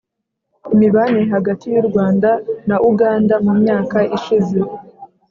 imibanire hagati y’u rwanda na uganda mu myaka ishize